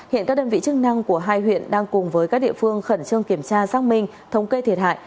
hiện các đơn vị chức năng của hai huyện đang cùng với các địa phương khẩn trương kiểm tra xác minh thống kê thiệt hại